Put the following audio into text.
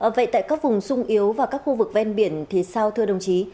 vậy tại các vùng sung yếu và các khu vực ven biển thì sao thưa đồng chí